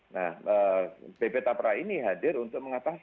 nah bpjs ini hadir untuk mengatasi